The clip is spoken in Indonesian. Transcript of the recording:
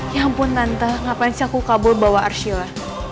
ya ampun nanta ngapain sih aku kabur bawa arshila